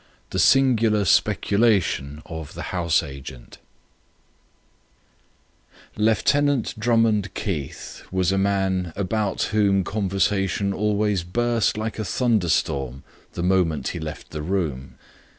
The Singular Speculation of the House Agent Lieutenant Drummond Keith was a man about whom conversation always burst like a thunderstorm the moment he left the room.